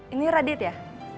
ini radit ya